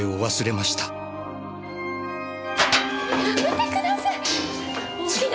やめてください！